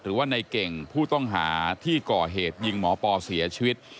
หรือว่าในเก่งผู้ต้องหาที่ก่อเหตุยิงหมอปอเสียชีวิต